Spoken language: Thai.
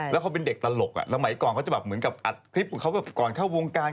แล้วเขาเป็นเด็กตลกสมัยก่อนเขาจะแบบเหมือนกับอัดคลิปของเขาแบบก่อนเข้าวงการ